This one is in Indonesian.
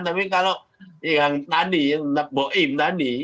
tapi kalau yang tadi tetap boim tadi